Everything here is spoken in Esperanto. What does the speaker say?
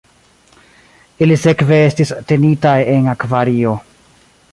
Ili sekve estis tenitaj en akvario.